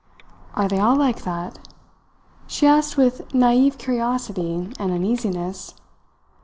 "Are they all like that?" she asked with naive curiosity and uneasiness.